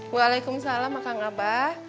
waalaikumsalam makan apa